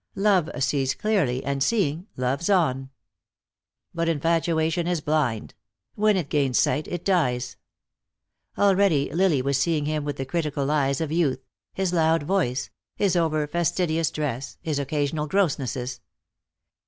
Love sees clearly, and seeing, loves on. But infatuation is blind; when it gains sight, it dies. Already Lily was seeing him with the critical eyes of youth, his loud voice, his over fastidious dress, his occasional grossnesses.